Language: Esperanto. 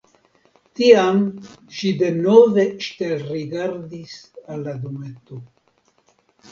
Tiam ŝi denove ŝtelrigardis al la dometo.